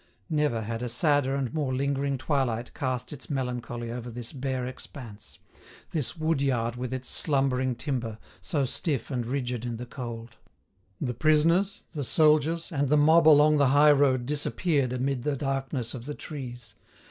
Never had a sadder and more lingering twilight cast its melancholy over this bare expanse—this wood yard with its slumbering timber, so stiff and rigid in the cold. The prisoners, the soldiers, and the mob along the high road disappeared amid the darkness of the trees.